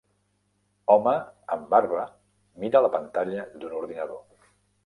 Home amb barba mira la pantalla d'un ordinador.